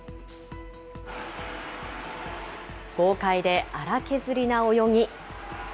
豪快で粗削りな泳ぎ。